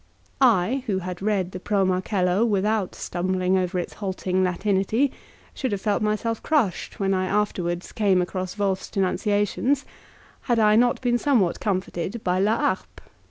I, who had read the " Pro Marcello " without stumbling over its halting Latinity, should have felt myself crushed when I afterwards came across Wolf's denunciations, had I not been somewhat comforted by La Harpe.